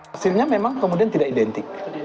hasilnya memang kemudian tidak identik